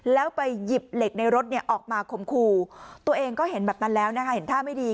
แล้วไปหยิบเหล็กในรถออกมาข่มขู่ตัวเองก็เห็นแบบนั้นแล้วนะคะเห็นท่าไม่ดี